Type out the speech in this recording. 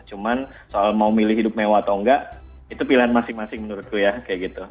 cuman soal mau milih hidup mewah atau enggak itu pilihan masing masing menurutku ya kayak gitu